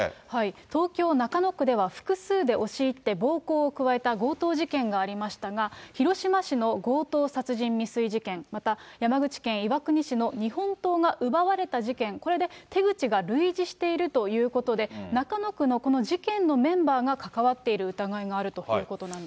東京・中野区では、複数で押し入って暴行を加えた強盗事件がありましたが、広島市の強盗殺人未遂事件、また山口県岩国市の日本刀が奪われた事件、これで手口が類似しているということで、中野区のこの事件のメンバーが関わっている疑いがあるということなんです。